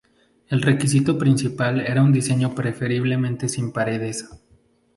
El requisito principal era un diseño preferiblemente sin paredes.